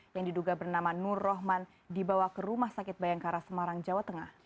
yang diduga bernama nur rohman dibawa ke rumah sakit bayangkara semarang jawa tengah